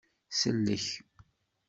Sellek.